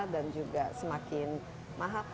dan juga semakin mahal